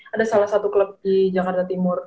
ada salah satu klub di jakarta timur